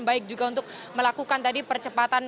baik juga untuk melakukan tadi percepatan